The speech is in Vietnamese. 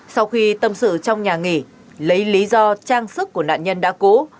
sau khi tâm sự trong nhà nghỉ lấy lý do trang sức của nạn nhân đã cũ